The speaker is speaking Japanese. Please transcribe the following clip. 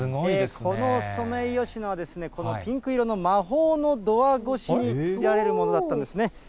このソメイヨシノはこのピンク色の魔法のドア越しに見られるものだったんですね。